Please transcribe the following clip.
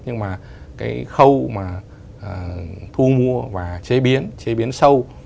nhưng mà cái khâu mà thu mua và chế biến chế biến sâu